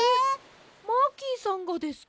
マーキーさんがですか？